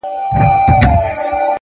پرمختګ د دوامداره زده کړې محصول دی!